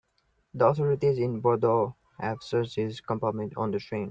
The authorities in Bordeaux have searched his compartment on the train.